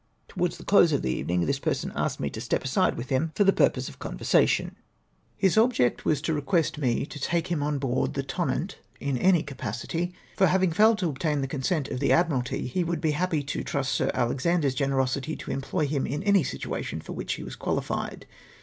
Towards the close of the evening this person asked me to step aside with him for the purpose of con HOW BROUGHT ABOUT. 331 versation. His object was to request me to take him on board tlie Tonnant in any capacity, for liaving failed to obtain the consent of the Admiralty he would be happy to trust to Sir Alexander's generosity to em ploy him in any situation for which he was quahiied.